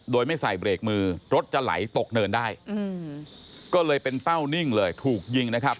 โดยไม่ใส่เบรกมือรถจะไหลตกเนินได้ก็เลยเป็นเป้านิ่งเลยถูกยิงนะครับ